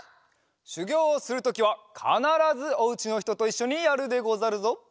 しゅぎょうをするときはかならずおうちのひとといっしょにやるでござるぞ。